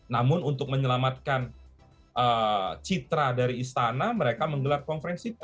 namun untuk menyelamatkan citra dari istana mereka menggelar konferensi pers